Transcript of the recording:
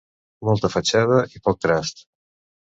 Molta fatxada i poc trast.